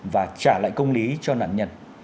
và trả lại công lý cho nạn nhân